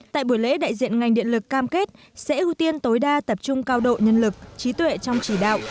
tại buổi lễ đại diện ngành điện lực cam kết sẽ ưu tiên tối đa tập trung cao độ nhân lực trí tuệ trong chỉ đạo